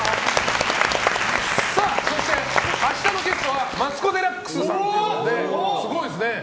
そして、明日のゲストはマツコ・デラックスさんということですごいですね。